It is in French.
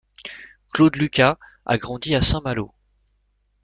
Claude Lucas a grandi à Saint-Malo.